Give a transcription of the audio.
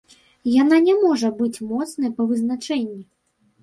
Яна не можа быць моцнай па вызначэнні.